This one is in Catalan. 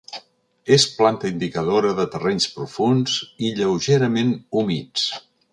És planta indicadora de terrenys profunds i lleugerament humits.